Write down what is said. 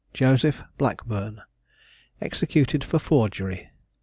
JOSEPH BLACKBURN. EXECUTED FOR FORGERY.